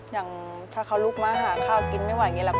อย่างถ้าเขาลุกมาหาข้าวกินไม่ไหวอย่างนี้แหละ